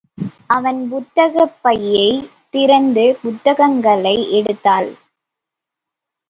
அவன் புத்தகப் பையைத் திறந்து புத்தகங்களை எடுத்தாள்.